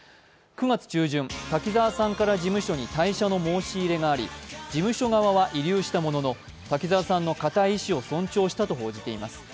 ９月中旬、滝沢さんから事務所側に退社の申し入れがあり事務所側は慰留したものの滝沢さんの固い意思を尊重したと伝えています。